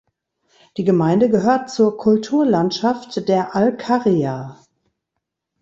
Die Gemeinde gehört zur Kulturlandschaft der Alcarria.